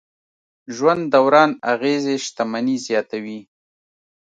ژوند دوران اغېزې شتمني زیاتوي.